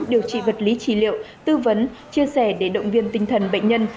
điều trị vật lý trí liệu tư vấn chia sẻ để động viên tinh thần bệnh nhân